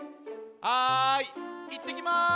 はいいってきます！